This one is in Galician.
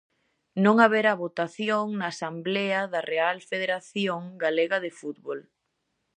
Non haberá votación na asemblea da real Federación Galega de Fútbol.